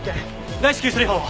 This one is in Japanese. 大至急処理班を！